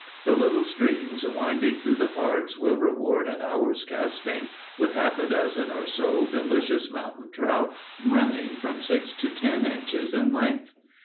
The little streams winding through the parks will reward an hour's casting with half a dozen or so delicious mountain trout running from six to ten inches in length.